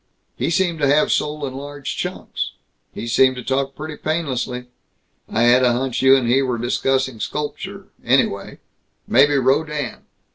"He seemed to have soul in large chunks. He seemed to talk pretty painlessly. I had a hunch you and he were discussing sculpture, anyway. Maybe Rodin."